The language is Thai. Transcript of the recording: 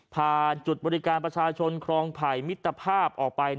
ผ่านจุดบริการประชาชนครองไผ่มิตรภาพออกไป